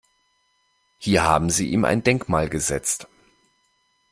Hier haben Sie ihm ein Denkmal gesetzt.